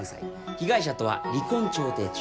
被害者とは離婚調停中。